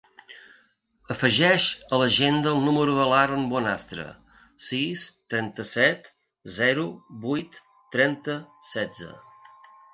Afegeix a l'agenda el número de l'Haron Bonastre: sis, trenta-set, zero, vuit, trenta, setze.